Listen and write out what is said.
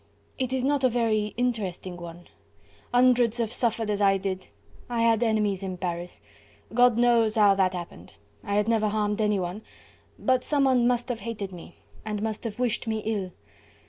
"It is not a very interesting one. Hundreds have suffered as I did. I had enemies in Paris. God knows how that happened. I had never harmed anyone, but someone must have hated me and must have wished me ill.